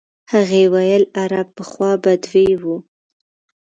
هغې ویل عرب پخوا بدوي وو.